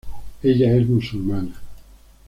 Ella es musulmana.